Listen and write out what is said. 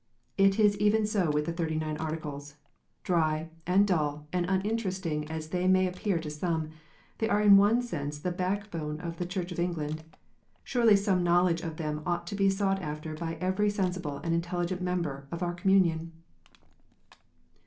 It is even so with the Thirty nine Articles. Dry, and dull, and uninteresting as they may appear to some, they are in one sense the backbone of the Church of England. Surely some knowledge of them ought to be sought after by every sensible and intelligent member of our Com munion.